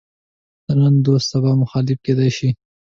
د نن دوست د سبا مخالف کېدای شي.